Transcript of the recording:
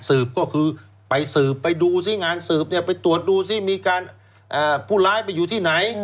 ก็คือไปสืบไปดูสิงานสืบเนี่ยไปตรวจดูสิมีการผู้ร้ายไปอยู่ที่ไหน